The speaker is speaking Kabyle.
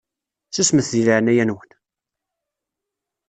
Susmet di leɛnaya-nwen!